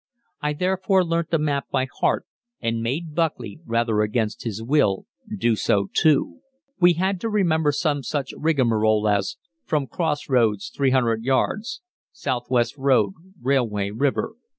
I therefore learnt the map by heart, and made Buckley, rather against his will, do so too. We had to remember some such rigmarole as: "From cross roads 300 yards S. W. road, railway, river S.